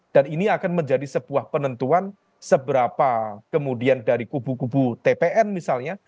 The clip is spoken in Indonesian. dan ini akan menjadi sebuah penentuan seberapa kemudian dari kubu kubu tpn misalnya